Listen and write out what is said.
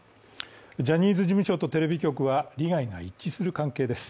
ジャニーズ事務所とテレビ局は利害が一致する関係です。